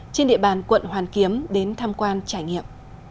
trên địa bàn quận hoàn kiếm đến tham quan trải nghiệm